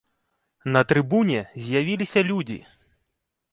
На трыбуне з'явіліся людзі.